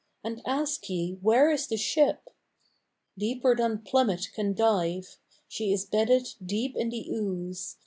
And ask ye where is the ship ? Deeper than plummet can dive She is bedded deep in the ooze.